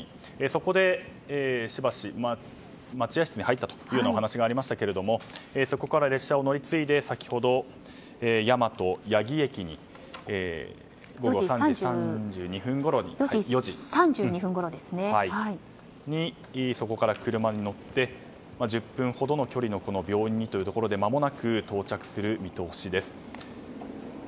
そこで、しばし待合室に入ったというようなお話がありましたがそこから列車を乗り継いで先ほど大和八木駅に午後４時３２分ごろにそこから車に乗って１０分ほどの距離の、この病院にということでまもなく到着する見通しです。